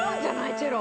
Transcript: チェロ。